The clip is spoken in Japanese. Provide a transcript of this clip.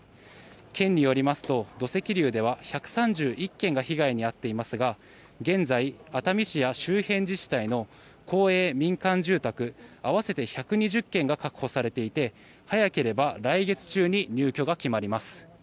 県によりますと、土石流では１３１軒が被害に遭っていますが現在、熱海市や周辺自治体の公営・民間住宅合わせて１２０軒が確保されていて早ければ来月中に入居が決まります。